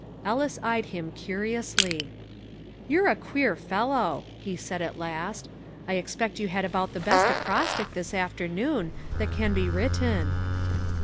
Ellis eyed him curiously. "You're a queer fellow," he said at last. "I expect you had about the best acrostic, this afternoon, that can be written."